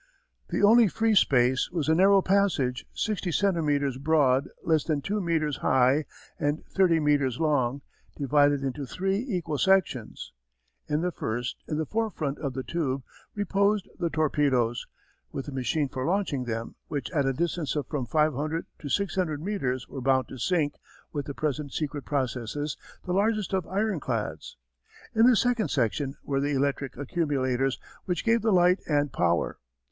The only free space was a narrow passage, sixty centimetres broad, less than two metres high, and thirty metres long, divided into three equal sections. In the first, in the forefront of the tube, reposed the torpedoes, with the machine for launching them, which at a distance of from 500 to 600 metres were bound to sink, with the present secret processes, the largest of ironclads. In the second section were the electric accumulators which gave the light and power.